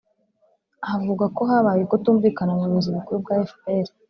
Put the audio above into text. havugwa ko habaye ukutumvikana mu buyobozi bukuru bwa fpr